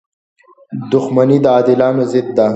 • دښمني د عادلانو ضد ده.